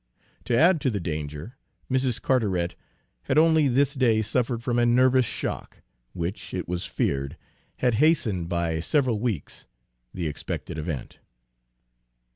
To add to the danger, Mrs. Carteret had only this day suffered from a nervous shock, which, it was feared, had hastened by several weeks the expected event.